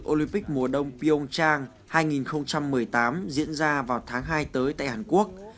olympic mùa đông pyeongchang hai nghìn một mươi tám diễn ra vào tháng hai tới tại hàn quốc